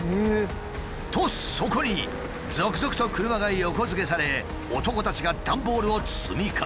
とそこに続々と車が横付けされ男たちが段ボールを積み替えていく。